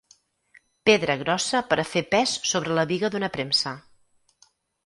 Pedra grossa per a fer pes sobre la biga d'una premsa.